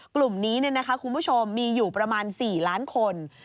กลุ่มนี้คุณผู้ชมมีอยู่ประมาณ๔ล้านคน